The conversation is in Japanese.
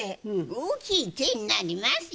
大きい手になりますよ。